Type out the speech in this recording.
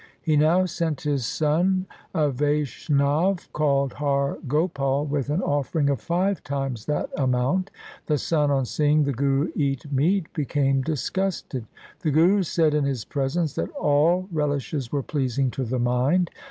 He now sent his son, a Vaishnav called Har Gopal, with an offering of five times that amount. The son on seeing the Guru eat meat became disgusted. The Guru said in his presence, that all relishes were pleasing to the mind.